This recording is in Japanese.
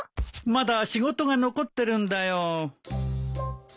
まだ仕事が残ってるんだよ。